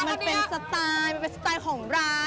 มันเป็นสไตล์ของร้าน